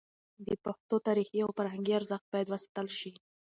د پښتو تاریخي او فرهنګي ارزښت باید وساتل شي.